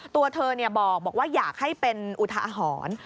ตัวเธอบอกว่าอยากให้เป็นอุทาหรณ์